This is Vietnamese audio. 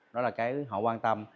đó là cái họ quan tâm